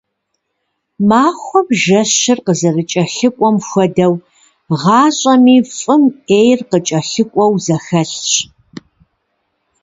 Махуэм жэщыр къызэрыкӀэлъыкӀуэм хуэдэу, гъащӀэми фӀым Ӏейр кӀэлъыкӀуэу зэхэлъщ.